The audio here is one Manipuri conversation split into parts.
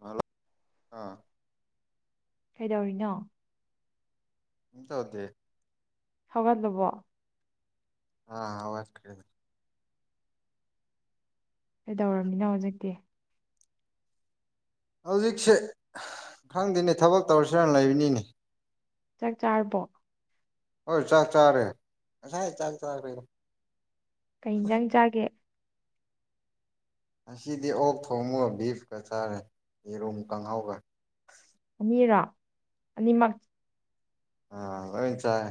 ꯍꯜꯂꯣ ꯑꯥ ꯀꯩꯗꯧꯔꯤꯅꯣ ꯀꯦꯝꯇꯧꯗꯦ ꯍꯧꯒꯠꯂꯕꯣ ꯑ ꯍꯧꯒꯠꯈ꯭ꯔꯦꯗ ꯀꯩ ꯇꯧꯔꯕꯃꯤꯅꯣ ꯍꯧꯖꯤꯛꯇꯤ ꯍꯧꯖꯤꯛꯁꯦ ꯈꯪꯗꯦꯅꯦ ꯊꯕꯛ ꯇꯧꯔꯁꯤꯔꯅ ꯂꯩꯕꯅꯤꯅꯦ ꯆꯥꯛ ꯆꯥꯔꯕꯣ ꯍꯣꯏ ꯆꯥꯛ ꯆꯥꯔꯦ ꯉꯁꯥꯏ ꯆꯥꯛ ꯆꯥꯔꯦꯗ ꯀꯩ ꯅꯪꯖꯟ ꯆꯒꯦ ꯉꯁꯤꯗꯤ ꯑꯣꯛ ꯊꯣꯡꯉꯨꯒ ꯕꯤꯐꯀ ꯆꯥꯔꯦ ꯌꯦꯔꯨꯝ ꯀꯥꯡꯪꯍꯥꯎꯒ ꯑꯅꯤꯔꯣ ꯑꯅꯤꯃꯛ ꯑ ꯂꯣꯏ ꯆꯥꯏ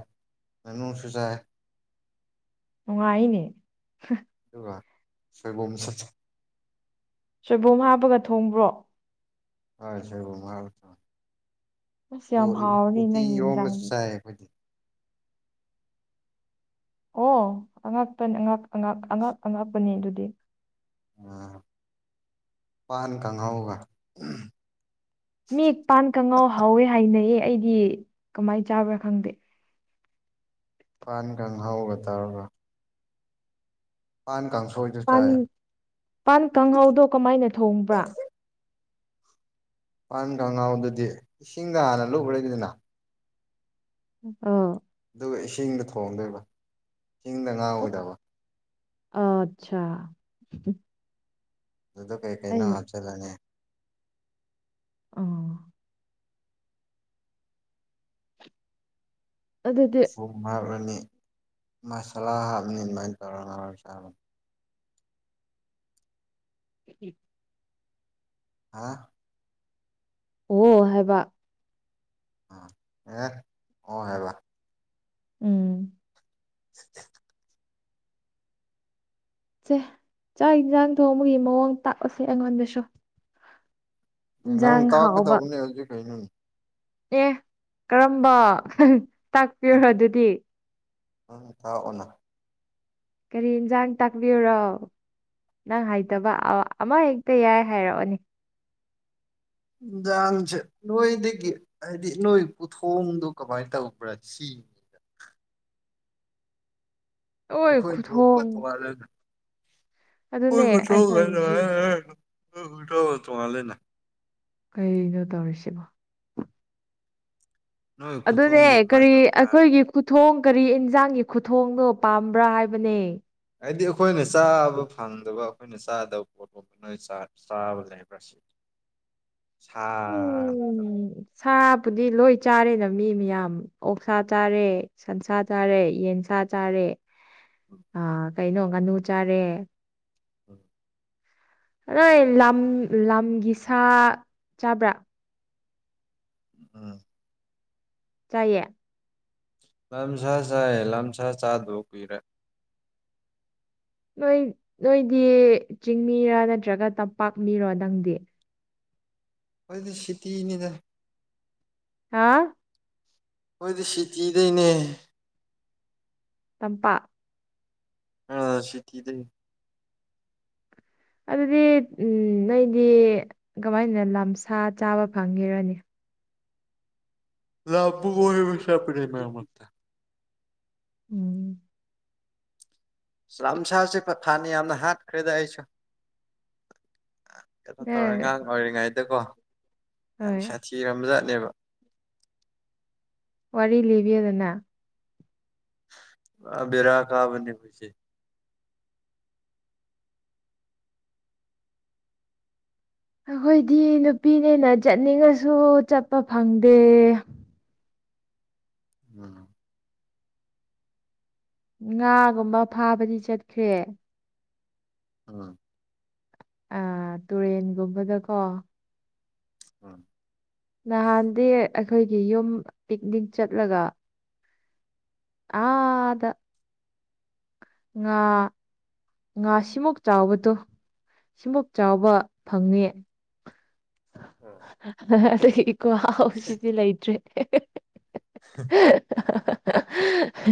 ꯃꯅꯨꯡꯁꯨ ꯆꯥꯏ ꯅꯨꯡꯉꯥꯏꯅꯦ ꯑꯗꯨꯒ ꯁꯣꯏꯕꯨꯝꯁꯨ ꯆꯥꯏ ꯁꯣꯏꯕꯨꯝ ꯍꯥꯞꯄꯒ ꯊꯣꯡꯕ꯭ꯔꯣ ꯍꯣꯏ ꯁꯣꯏꯕꯨꯝ ꯍꯞꯔꯒꯆꯥꯏ ꯑꯁ ꯌꯥꯝ ꯑꯗꯨꯒ ꯍꯥꯎꯔꯅꯤ ꯅꯪꯒꯤ ꯎꯇꯤꯏꯔꯣꯝ ꯑꯃꯁꯁꯨ ꯏꯟꯖꯥꯡꯗꯤ ꯁꯥꯏ ꯑꯩꯈꯣꯏꯗꯤ ꯑꯣꯉꯥꯛꯅꯤ ꯑꯉꯛ-ꯑꯉꯛꯄꯅꯤ ꯑꯗꯨꯗꯤ ꯎꯝ ꯄꯟ ꯈꯪꯍꯧꯒ ꯃꯤꯄꯥꯟ ꯀꯪꯉꯥꯎ ꯍꯥꯎꯋꯦ ꯍꯥꯏꯅꯩꯌꯦ ꯑꯩꯗꯤ ꯀꯃꯥꯏ ꯆꯥꯕ꯭ꯔꯥ ꯈꯪꯗꯦ ꯄꯥꯟꯒꯍꯥꯎꯔꯒ ꯇꯧꯔꯒ ꯄꯥꯟ ꯀꯥꯡꯁꯣꯏ ꯄꯥꯟ ꯄꯥꯟ ꯀꯥꯡꯍꯥꯎꯗꯣ ꯀꯃꯥꯏꯅ ꯊꯣꯡꯕ꯭ꯔꯥ ꯄꯥꯟ ꯈꯉꯥꯎꯗꯨꯗꯤ ꯏꯁꯤꯡꯗ ꯍꯥꯟꯅ ꯂꯨꯈ꯭ꯔꯒꯤꯗꯅ ꯑꯣ ꯑꯗꯨꯒ ꯏꯁꯤꯡꯗ ꯊꯣꯡꯗꯣꯏꯕ ꯏꯁꯤꯡꯗ ꯉꯥꯎꯔꯣꯏꯗꯕ ꯑ ꯑꯠꯆꯥ ꯑꯗꯨꯗꯣ ꯀꯩ ꯀꯩꯅꯣ ꯑꯩ ꯍꯥꯞꯆꯜꯂꯅꯤ ꯑꯣ ꯑꯗꯨꯗꯤ ꯊꯨꯝ ꯍꯥꯞꯂꯅꯤ ꯃꯁꯥꯂꯥ ꯍꯥꯞꯄꯅꯤ ꯑꯗꯨꯃꯥꯏꯅ ꯇꯧꯔ ꯉꯧꯔ ꯆꯥꯕꯅꯤ ꯎꯝ ꯍꯥꯥ ꯑꯣ ꯍꯥꯏꯕ ꯑꯥ ꯑꯦ ꯑꯣ ꯍꯥꯏꯕ ꯎꯝ [inaudible] ꯁꯦ ꯆꯥꯛ ꯌꯦꯟꯁꯥꯡ ꯊꯣꯡꯕꯒꯤ ꯃꯑꯣꯡ ꯇꯥꯛꯑꯣꯁꯦ ꯑꯩꯉꯣꯟꯗꯁꯨ ꯑꯦ ꯅꯪ ꯏꯟꯁꯥꯡ ꯍꯥꯎꯕ ꯇꯥꯛꯀꯗꯧꯕꯅꯦ ꯍꯧꯖꯤꯛ ꯀꯩꯅꯣꯅꯦ ꯑꯦ ꯀꯔꯝꯕ ꯇꯥꯛꯄꯤꯔꯣ ꯑꯗꯨꯗꯤ ꯅꯡꯅꯇꯛꯑꯣꯅ ꯀꯔꯤ ꯏꯟꯁꯥꯡ ꯇꯥꯛꯄꯤꯎꯔꯣ ꯅꯪ ꯍꯥꯏꯇꯕ ꯑꯃꯍꯦꯛꯇ ꯌꯥꯏ ꯍꯥꯏꯔꯛꯑꯣꯅꯤ ꯥꯏꯟꯁꯥꯡꯁꯦ ꯅꯣꯏꯗꯒꯤ ꯍꯥꯏꯗꯤ ꯅꯣꯏ ꯈꯨꯊꯣꯡꯗꯣ ꯀꯃꯥꯏ ꯇꯧꯕ꯭ꯔꯥ ꯁꯤ ꯍꯣꯏ ꯑꯩꯈꯣꯏ ꯊꯣꯡꯕ ꯈꯨꯊꯣꯡ ꯇꯣꯉꯜꯂꯦꯅ ꯑꯩꯈꯣꯏ ꯈꯨꯊꯣꯡꯒ [unintelligible] ꯈꯨꯊꯣꯡꯒ ꯇꯣꯉꯜꯂꯦꯅ ꯀꯩꯅꯣ ꯇꯧꯔꯤꯁꯤꯕꯣ ꯅꯣꯏ ꯑꯗꯨꯅꯦ ꯈꯨꯊꯣꯡꯗꯣ ꯀꯃꯥꯏꯅ ꯀꯔꯤ ꯇꯧꯕ꯭ꯔꯥ ꯍꯥꯏꯕ ꯑꯩꯈꯣꯏꯒꯤ ꯈꯨꯊꯣꯡ ꯀꯔꯤ ꯏꯟꯖꯥꯡꯒꯤ ꯈꯨꯊꯣꯡꯅꯣ ꯄꯥꯝꯕ꯭ꯔꯥ ꯍꯥꯏꯕꯅꯦ ꯍꯥꯏꯗꯤ ꯑꯩꯈꯣꯏꯅ ꯆꯥꯕ ꯐꯪꯗꯕ ꯑꯩꯈꯣꯏꯅ ꯆꯥꯗꯕ ꯄꯣꯠ [unintelligible] ꯅꯣꯏ ꯆꯥ ꯆꯥꯕ ꯂꯩ ꯂꯩꯕ꯭ꯔꯥ ꯁꯤꯅꯤ ꯁꯥ ꯎꯝ ꯁꯥꯕꯨꯗꯤ ꯂꯣꯏ ꯆꯥꯔꯦꯅ ꯃꯤ ꯃꯌꯥꯝ ꯑꯣꯛꯁꯥ ꯆꯥꯔꯦ ꯁꯟꯁꯥ ꯆꯥꯔꯦ ꯌꯦꯟꯁꯥ ꯆꯥꯔꯦ ꯑꯥ ꯀꯩꯅꯣ ꯉꯥꯅꯨ ꯆꯥꯔꯦ [unintelligible] ꯅꯣꯏ ꯂꯝ ꯂꯝꯒꯤ ꯁꯥ ꯆꯥꯕ꯭ꯔꯥ ꯑꯥ ꯆꯥꯏꯌꯦ ꯂꯝꯁꯥ ꯆꯥꯏꯌꯦ ꯂꯝꯁꯥ ꯆꯥꯗꯕ ꯀꯨꯏꯔꯦ ꯅꯣꯏ ꯅꯣꯏꯗꯤ ꯆꯤꯡ ꯃꯤꯔꯥ ꯅꯠꯇ꯭ꯔꯒ ꯇꯝꯄꯥꯛ ꯃꯤꯔꯣ ꯅꯪꯗꯤ ꯑꯩꯗꯤ ꯁꯤꯇꯤꯅꯤꯗ ꯍꯥ ꯈꯣꯏꯗꯤ ꯁꯤꯇꯤꯗꯩꯅꯦ ꯇꯝꯄꯥꯛ ꯑꯥ ꯁꯤꯇꯤꯗꯥꯒꯤ ꯑꯗꯨꯗꯤ ꯎꯝ ꯅꯣꯏꯗꯤ ꯀꯃꯥꯏꯅ ꯂꯝꯁꯥ ꯆꯥꯕ ꯐꯪꯉꯤꯔꯥꯅꯦ [inaudible] ꯃꯔꯛꯇ ꯎꯝ ꯂꯝꯁꯥꯁꯤ ꯐꯥ ꯐꯥꯅ ꯌꯥꯝꯅ ꯍꯥꯠꯈꯔꯦꯗꯥ ꯑꯩꯁꯨ ꯀꯩꯅꯣ ꯇꯧꯔꯦ ꯑ ꯑꯉꯥꯡ ꯑꯣꯏꯔꯤꯉꯩꯗꯀꯣ ꯌꯥꯝ ꯍꯣꯏ ꯁꯥꯊꯤꯔꯝꯕꯖꯥꯠꯅꯦꯕ ꯋꯥꯔꯤ ꯂꯤꯕꯤꯌꯨꯗꯅ ꯑꯥ ꯕꯦꯔꯥ ꯀꯥꯕꯅꯤ ꯑꯩꯈꯣꯏꯁꯦ ꯑꯩꯈꯣꯏꯗꯤ ꯅꯨꯄꯤꯅꯦꯅ ꯆꯠꯅꯤꯡꯉꯁꯨ ꯆꯠꯄ ꯐꯪꯗꯦ ꯎꯝ ꯉꯥꯒꯨꯝꯕ ꯐꯥꯕꯗꯤ ꯆꯠꯈ꯭ꯔꯦ ꯑꯥ ꯑꯥ ꯇꯨꯔꯦꯟꯒꯨꯝꯕꯗꯀꯣ ꯑꯥ ꯅꯍꯥꯟꯗꯤ ꯑꯩꯈꯣꯏꯒꯤ ꯌꯨꯝ ꯄꯤꯛꯅꯤꯛ ꯆꯠꯂꯒ ꯑꯥꯗꯥ ꯉꯥ ꯉꯥ ꯁꯤꯃꯨꯛ ꯆꯥꯎꯕꯗꯣ ꯁꯤꯃꯨꯛ ꯆꯥꯎꯕ ꯐꯪꯉꯦ ꯑꯥ ꯑꯗꯨꯒꯤ ꯈꯨꯍꯥꯎ ꯁꯤꯗꯤ ꯂꯩꯇ꯭ꯔꯦ [inaudible]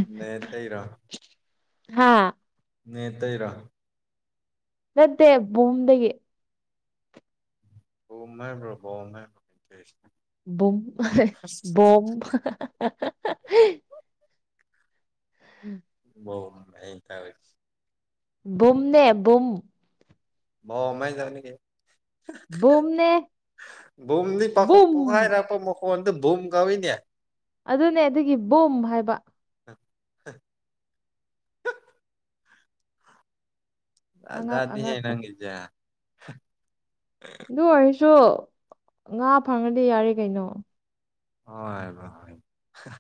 [unintelligible] ꯇꯩꯔꯣ ꯍꯥꯥ ꯅꯦꯠ ꯇꯩꯔꯣ ꯅꯠꯇꯦ ꯕꯨꯝꯗꯒꯤ ꯕꯨꯝ ꯍꯥꯏꯕ꯭ꯔꯣ ꯕꯣꯝ ꯍꯥꯏꯕ꯭ꯔꯣ ꯀꯩꯅꯣ ꯇꯧꯏꯁꯤ ꯕꯨꯝ ꯕꯣꯝ [unintelligible] [unintelligible] ꯧ ꯑ ꯊꯔ ꯨꯝꯅꯦ ꯨꯝ ꯕ ꯑꯃꯃꯥꯏꯖ ꯅ ꯀ ꯕꯨꯝꯅꯦ ꯕꯨꯝꯗꯤ ꯄꯥꯈ ꯕꯨꯝ ꯄꯣꯛꯈꯥꯏꯔꯛꯄ ꯃꯈꯣꯟꯗ ꯕꯨꯝ ꯀꯧꯏꯅꯦ ꯑꯗꯨꯅꯦ ꯑꯗꯨꯒꯤ ꯕꯣꯝ ꯍꯥꯏꯕ ꯑ ꯑꯉꯛ ꯑꯗꯗꯤ ꯑꯉꯛꯄ ꯅꯪꯒꯖꯦ ꯑꯗꯨ ꯑꯣꯏꯔꯁꯨ ꯉꯥ ꯐꯪꯉꯗꯤ ꯌꯥꯔꯦ ꯀꯩꯅꯣ ꯍꯣꯏꯕ ꯍ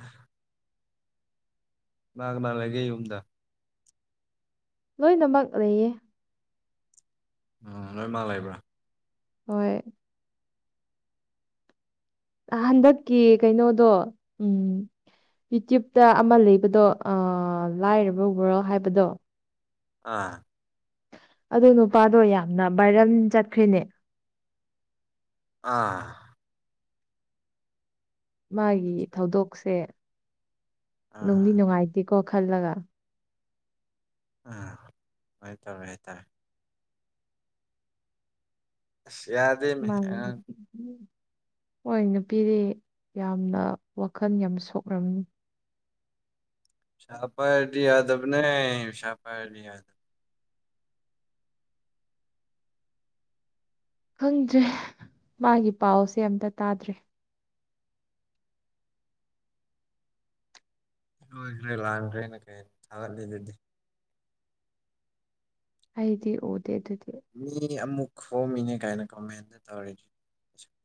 ꯎꯝ ꯃꯥꯥꯡꯒ ꯃꯥꯥꯡꯂꯒꯦ ꯌꯨꯝꯗ ꯂꯣꯏꯅꯃꯛ ꯂꯩꯌꯦ ꯎꯝ ꯂꯣꯏ ꯃꯥꯜ ꯂꯩꯕ꯭ꯔꯥ ꯍꯣꯏ ꯍꯟꯗꯛꯀꯤ ꯀꯩꯅꯣꯗꯣ ꯎꯝ ꯌꯨꯇ꯭ꯌꯕꯇ ꯑꯃ ꯂꯩꯕꯗꯣ ꯂꯥꯏꯔꯕ ꯔꯜ ꯍꯥꯏꯕꯗꯣ ꯑꯥ ꯑꯗꯨ ꯅꯨꯄꯥꯗꯣ ꯌꯥꯝꯅ ꯕꯥꯏꯔꯝ ꯆꯠꯈ꯭ꯔꯤꯅꯦ ꯑꯥ ꯃꯥꯒꯤ ꯊꯧꯗꯣꯛꯁꯦ ꯅꯨꯡꯗꯤ ꯑꯥ ꯅꯨꯡꯉꯥꯏꯇꯦꯀꯣ ꯈꯜꯂꯒ ꯑꯥ ꯍꯥꯏ ꯇꯔꯦ ꯍꯥꯏ ꯇꯔꯦ ꯑꯁ ꯌꯥꯗꯦ ꯃ ꯃꯥꯒꯤ ꯍꯣꯏ ꯅꯨꯄꯤꯗꯤ ꯌꯥꯝꯅ ꯋꯥꯈꯜ ꯌꯥꯝ ꯁꯣꯛꯂꯝꯃꯤ ꯁꯥꯄꯄꯥ ꯑꯂꯤ ꯌꯥꯗꯕꯅꯦ ꯁꯥꯄꯄꯥ ꯑꯂꯤ ꯌꯥꯗꯕ ꯈꯪꯗ꯭ꯔꯦ ꯃꯥꯒꯤ ꯄꯥꯎꯁꯦ ꯑꯝꯇ ꯇꯥꯗ꯭ꯔꯦ ꯍ꯭ꯔꯦ ꯂ꯭ꯔꯅ ꯀꯩ ꯂꯩꯗꯗꯤ ꯑꯩꯗꯤ ꯑꯣꯗꯦ ꯑꯗꯨꯗꯤ ꯃꯤ ꯑꯃꯨꯛ ꯈꯣꯝꯃꯤꯅꯦ ꯀꯥꯏꯅ ꯀꯃꯦꯟꯇ ꯇꯧꯔꯤꯁꯤ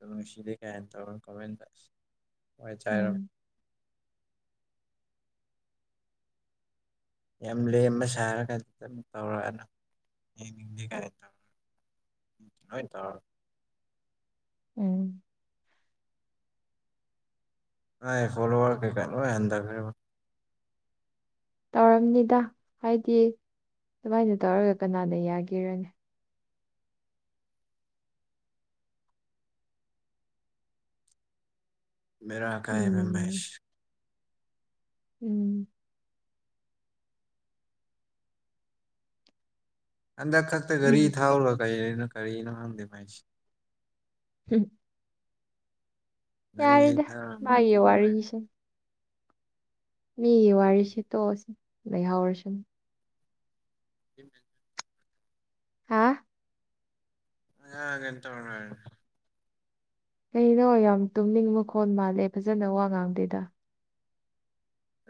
ꯉꯁꯤꯗꯤ ꯀꯌꯥ ꯍꯥꯏꯅ ꯇꯧꯔꯅ ꯀꯣꯃꯦꯟꯗꯁ ꯆꯥꯏꯔꯝ ꯎꯝ ꯌꯥꯝ ꯂꯦꯝꯕ ꯁꯥꯔ ꯀꯥꯟꯗꯨꯛ ꯇꯧꯔꯛꯑꯅ ꯌꯦꯡꯅꯤꯡꯗꯦ ꯀꯥꯏꯅ ꯇꯧꯔ ꯎ ꯍꯥꯏ ꯇ ꯎꯝ ꯑ ꯐꯣꯂꯣꯋꯥꯔ ꯀꯩꯀꯥꯂꯣ ꯍꯟꯔ ꯇꯧꯔꯝꯅꯤꯗ ꯍꯥꯏꯗꯤ ꯑꯗꯨꯃꯥꯏꯅ ꯇꯧꯔꯒ ꯀꯅꯥꯗ ꯌꯥꯈꯤꯔꯅꯤ ꯃꯦꯔꯥ ꯑ ꯀꯥꯏꯕ ꯎꯝ ꯃꯁ ꯎꯝ ꯍꯟꯗꯛ ꯈꯛꯇ ꯒꯥꯔꯤ ꯎꯝ ꯊꯥꯎꯔꯨꯔ ꯀꯔꯤꯅꯣ ꯀꯔꯤꯅꯣ ꯈꯪꯗꯦ ꯃꯥꯏꯁꯤꯦ ꯎꯝ ꯌꯥꯔꯦꯗ ꯉ ꯍ ꯃꯥꯒꯤ ꯈꯔ ꯋꯥꯔꯤꯁꯦ ꯃꯤꯒꯤ ꯋꯥꯔꯤꯁꯤꯠꯇꯣꯛꯑꯁꯤ ꯂꯩꯍꯧꯔꯁꯨꯅ ꯀ ꯍꯥ ꯑꯅ ꯇꯧꯅꯤ ꯀꯩꯅꯣ ꯌꯥꯝ ꯇꯨꯝꯅꯤꯡ ꯃꯈꯣꯟꯜ ꯃꯥꯜꯂꯦ ꯐꯖꯅ ꯋꯥ ꯉꯥꯡꯗꯦꯗ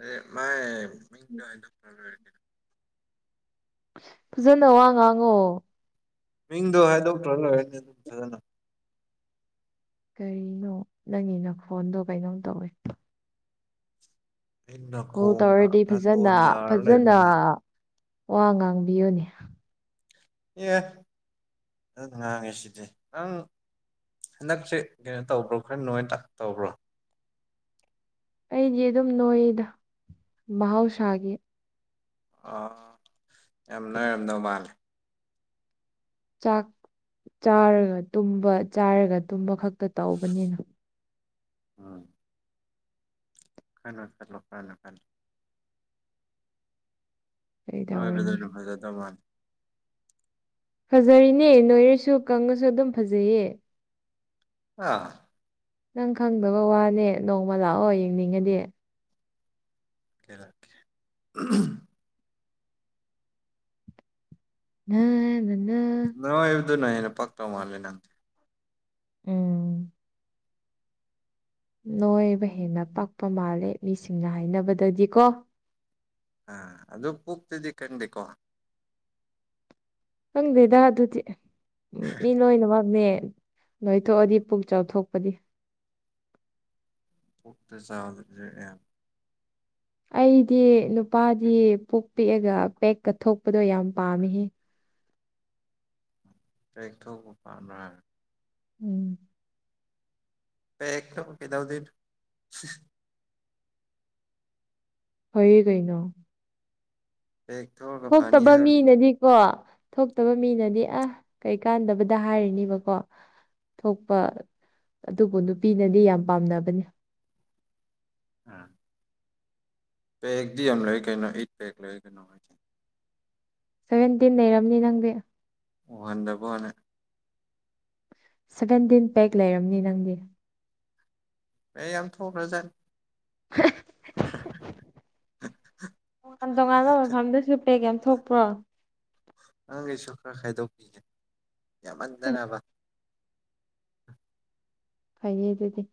ꯑ ꯃꯥꯏ ꯃꯤꯡ ꯗꯣꯛꯇꯔꯔ ꯐꯖꯟꯅꯣ ꯋꯥꯉꯥꯡꯉꯣ ꯃꯤꯡꯗꯣ ꯍꯥꯏꯗꯣꯛꯇ꯭ꯔ ꯂꯣꯏꯔꯅꯤ ꯑꯗꯨꯝ ꯐꯖꯅ ꯀꯔꯤꯅꯣ ꯅꯪꯒꯤꯅ ꯐꯣꯟꯗꯣ ꯀꯩꯅꯣꯝ ꯇꯧꯋꯤ ꯑꯩ ꯀꯣꯜ ꯅꯥꯀꯣꯡꯅ ꯇꯧꯔꯗꯤ ꯐꯖꯅ ꯅꯥꯇꯣꯟ ꯅꯥꯔ ꯐꯖꯅ ꯂꯩꯕꯩꯅꯦ ꯋꯥ ꯉꯥꯡꯕꯤꯌꯨꯅꯦ ꯑꯦ ꯑꯗꯨ ꯏꯁꯤꯗꯤ ꯑꯪ ꯍꯟꯗꯛꯁꯦ ꯀꯩꯅꯣ ꯇꯧꯕ꯭ꯔꯣ ꯈꯔ ꯅꯅꯨꯡꯉꯥꯏ ꯇ ꯇꯧꯕ꯭ꯔꯣ ꯑꯩꯗꯤ ꯑꯗꯨꯝ ꯅꯣꯏꯗ ꯃꯍꯧꯁꯥꯒꯤ ꯑ ꯌꯥꯝ ꯅꯣꯏꯏꯔꯝꯗꯧ ꯃꯥꯜꯂꯦ ꯆꯥꯛ ꯆꯥꯔꯒ ꯇꯨꯝꯕ ꯆꯥꯔꯒ ꯇꯨꯝꯕ ꯈꯛꯇ ꯇꯧꯕꯅꯤꯅ ꯎꯝ ꯈꯜꯂꯣ ꯈꯜꯂꯣ ꯐꯅ ꯈꯜꯂꯣ [inaudible] ꯀꯩ ꯅꯣꯏꯉꯥꯏ ꯇꯧꯔꯅꯤ ꯐꯖꯅꯅꯨꯡ ꯐꯥꯏꯖ ꯇꯃꯥꯟ [inaudible] ꯐꯖꯔꯤꯅꯦ ꯅꯣꯏꯔꯁꯨ ꯀꯪꯉꯁꯨ ꯑꯗꯨꯝ ꯐꯖꯩꯌꯦ ꯑꯥ ꯅꯪ ꯈꯪꯗꯕ ꯋꯥꯅꯦ ꯅꯣꯡꯃ ꯂꯥꯛꯑꯣ ꯌꯦꯡꯅꯤꯡꯉꯗꯤ ꯂꯥꯛ [inaudible] ꫰ꯀꯦ [unintelligible] ꯅꯣꯏꯕꯗꯨꯅ ꯍꯦꯟꯅ ꯄꯛ ꯇꯧ ꯃꯥꯜꯂꯤ ꯅꯪ ꯎꯝ ꯅꯣꯏꯕ ꯍꯦꯟꯅ ꯄꯥꯛꯄ ꯃꯥꯜꯂꯦ ꯃꯤꯁꯤꯡꯅ ꯍꯥꯏꯅꯕꯗꯗꯤ ꯀꯣ ꯑꯥ ꯑꯗꯨ ꯄꯨꯛꯇꯨꯗꯤ ꯀꯪꯗꯦꯀꯣ ꯈꯪꯗꯦꯗ ꯑꯗꯨꯗꯤ ꯃꯤ ꯂꯣꯏꯅꯃꯛꯅꯦ ꯅꯣꯏꯊꯣꯛꯑꯗꯤ ꯄꯨꯛ ꯆꯥꯎꯊꯣꯛꯄꯗꯤ ꯀꯣꯛꯇ [inaudible] ꯑꯩꯗꯤ ꯅꯨꯄꯥꯗꯤ ꯄꯨꯛ ꯄꯤꯛꯑꯒ ꯄꯦꯛꯀꯊꯣꯛꯄꯗꯣ ꯌꯥꯝ ꯄꯥꯝꯃꯤꯍꯦ ꯄꯦꯛ ꯊꯣꯛꯄ ꯄꯥꯝꯕꯔꯥ ꯎꯝ ꯄꯦꯛ ꯊꯣꯛ ꯀꯩꯗꯧꯗꯣꯏꯅꯣ ꯐꯩꯌꯦ ꯀꯩꯅꯣ ꯄꯦꯛ ꯊꯣꯛ ꯊꯣꯛꯇꯕ ꯃꯤꯅꯗꯤꯀꯣ ꯊꯣꯛꯇꯕ ꯃꯤꯅꯗꯤ ꯑ ꯀꯩꯀꯥꯟꯗꯕꯗ ꯍꯥꯏꯔꯤꯅꯤꯕꯀꯣ ꯊꯣꯛꯄ ꯑꯗꯨꯕꯨ ꯅꯨꯄꯤꯅꯗꯤ ꯌꯥꯝ ꯄꯥꯝꯅꯕꯅꯤ ꯑꯝ ꯄꯦꯛꯇꯤ ꯑꯃ ꯂꯩ ꯀꯩꯅꯣ ꯑꯩꯠ ꯄꯦꯛ ꯂꯩꯏ ꯀꯩꯅꯣ ꯍꯥꯏꯁꯦ ꯁꯚꯦꯟꯇꯤꯟ ꯂꯩꯔꯝꯅꯤ ꯅꯪꯗꯤ [unintelligible] ꯁꯚꯦꯟꯇꯤꯟ ꯄꯦꯛ ꯂꯩꯔꯝꯅꯤ ꯅꯪꯗꯤ ꯑꯩ ꯌꯥꯝ ꯊꯣꯛ ꯈꯔꯥꯖꯥꯠꯅꯤ ꯍ [unintelligible] ꯍ [inaudible] ꯇꯣꯉꯥꯟ ꯇꯣꯉꯥꯟꯕ ꯃꯐꯝꯗꯁꯨ ꯄꯦꯛ ꯌꯥꯝ ꯊꯣꯛꯄ꯭ꯔꯣ ꯅꯪꯒꯤꯁꯨ ꯈ꯭ꯔ ꯈꯥꯏꯗꯣꯛꯄꯤꯒꯦ ꯌꯥꯝꯃꯟꯗꯅꯕ ꯐꯩꯌꯦ ꯑꯗꯨꯗꯤ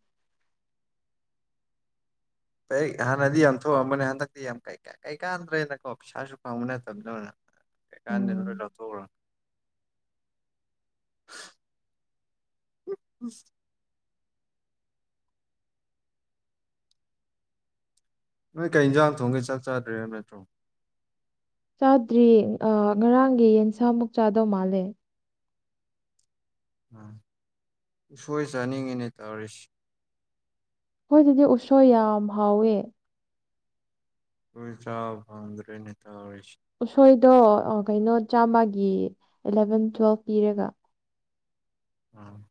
ꯀꯩ ꯍꯥꯥꯟ ꯅꯗꯤ ꯌꯥꯝ ꯊꯣꯛꯍꯥꯥꯟ ꯊ ꯌꯥꯝ ꯀꯩ [inaudible] ꯀꯩꯀꯥꯟꯗ꯭ꯔꯦꯅꯀꯣ ꯄꯩꯁꯥꯁꯨ ꯐꯪꯕ ꯅꯠꯇꯕꯗꯨꯅ ꯀꯩꯀꯥꯟꯗꯦꯅ ꯂꯣꯏ ꯎꯝ ꯂꯧꯊꯣꯛꯈ꯭ꯔꯝ ꯎ ꯎꯝ [inaudible] ꯅꯣꯏ ꯀꯩ ꯏꯟꯖꯥꯡ ꯊꯣꯡꯒꯦ ꯆꯥꯛ ꯆꯥꯗ꯭ꯔꯦ ꯍꯥꯢꯕꯥ ꯅꯠꯇꯔꯣ ꯆꯥꯗ꯭ꯔꯤ ꯉꯔꯥꯡꯒꯤ ꯌꯦꯟꯁꯥꯃꯨꯛ ꯆꯥꯗꯧ ꯃꯥꯜꯂꯦ ꯎꯝ ꯎꯁꯣꯏ ꯆꯥꯅꯤꯡꯉꯤꯅꯦ ꯇꯧꯔꯤꯁꯤ ꯑꯈꯣꯏꯗꯥꯗꯤ ꯎꯁꯣꯏ ꯌꯥꯝ ꯍꯥꯎꯋꯦ ꯑꯥꯈꯣꯏ ꯆꯕꯐꯪꯗ꯭ꯔꯦꯅꯤ ꯇꯧꯔꯤꯁꯤ ꯎꯁꯣꯏꯗꯣ ꯀꯩꯅꯣ ꯆꯥꯝꯃꯒꯤ ꯑꯦꯂꯚꯦꯟ ꯇꯨꯋꯦꯜꯐ ꯄꯤꯔꯒ ꯎꯝ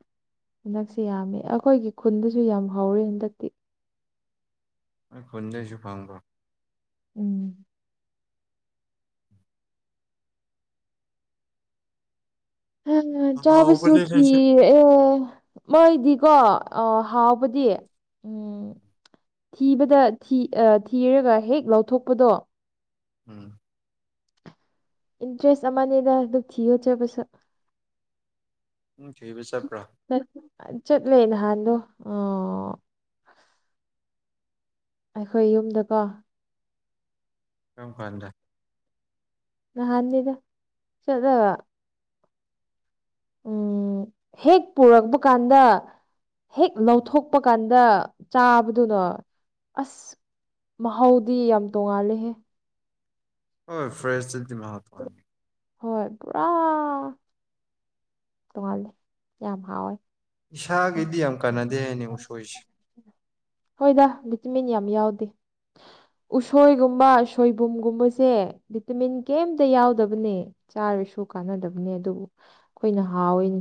ꯍꯟꯗꯛꯁꯤ ꯌꯥꯝꯃꯤ ꯑꯩꯈꯣꯏꯒꯤ ꯈꯨꯟꯗꯁꯨ ꯌꯥꯝ ꯍꯧꯋꯦ ꯍꯟꯗꯛꯇꯤ ꯅꯣꯏ ꯈꯨꯟꯗꯩꯁꯨ ꯐꯪꯕ꯭ꯔꯣ ꯎꯝ ꯍ ꯍꯥꯎꯕꯅꯦ ꯆꯥꯕꯁꯨꯈꯤ ꯁꯤꯁꯨ ꯑꯦ ꯃꯣꯏꯗꯤꯀꯣ ꯍꯥꯎꯕꯗꯤ ꯎꯝ ꯊꯤꯕꯗ ꯊꯤ ꯊꯤꯔꯒ ꯍꯦꯛ ꯂꯧꯊꯣꯛꯄꯗꯣ ꯎꯝ ꯏꯟꯇ꯭ꯔꯦꯁ ꯑꯃꯗ ꯑꯗꯨ ꯊꯤꯒꯣꯠꯆꯕꯁꯨ ꯎꯝ ꯊꯤꯕ ꯆꯠꯄ꯭ꯔꯥ ꯆꯠꯂꯦ ꯅꯍꯥꯟꯗꯣ ꯑ ꯑꯩꯈꯣꯏ ꯌꯨꯝꯗꯀꯣ ꯀꯔꯝ ꯀꯥꯟꯗ? ꯅꯍꯥꯟꯅꯤꯗ ꯆꯠꯂꯕ ꯎꯝ ꯍꯦꯛ ꯄꯨꯔꯛꯄ ꯀꯥꯟꯗ ꯍꯦꯛ ꯂꯧꯊꯣꯛꯄ ꯀꯥꯟꯗ [unintelligible] ꯆꯥꯕꯗꯨꯅ ꯑꯁ ꯃꯍꯥꯎꯗꯤ ꯌꯥꯝ ꯇꯣꯡꯉꯥꯜꯂꯦꯍꯦ꯫ [unintelligible] ꯍꯣꯏ ꯄꯨꯔꯥ ꯇꯣꯡꯉꯥꯜꯂꯦ ꯌꯥꯝ ꯍꯥꯎꯋꯦ꯫ ꯎꯝ ꯏꯁꯥꯒꯤꯗꯤ ꯌꯥꯝ ꯀꯥꯟꯅꯗꯦ ꯍꯥꯏꯅꯦ ꯎꯁꯣꯏꯁꯦ꯫ ꯍꯣꯏꯗ ꯚꯤꯇꯃꯤꯟ ꯌꯥꯝ ꯌꯥꯎꯗꯦ꯫ ꯎꯁꯣꯏꯒꯨꯝꯕ ꯁꯣꯏꯕꯨꯝꯒꯨꯝꯕꯁꯦ ꯚꯤꯇꯃꯤꯟ ꯀꯩꯝꯇ ꯌꯥꯎꯗꯕꯅꯦ꯫ ꯆꯥꯔꯁꯨ ꯀꯥꯟꯅꯗꯕꯅꯤ ꯑꯗꯨꯕꯨ ꯑꯩꯈꯣꯏꯅ ꯍꯥꯎꯋꯤꯅꯦ